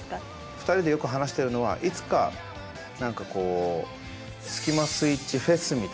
２人でよく話してるのはいつか何かこうスキマスイッチフェスみたいな。